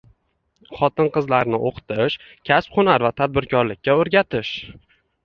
Xotin-qizlarni o‘qitish, kasb-hunar va tadbirkorlikka o‘rgatish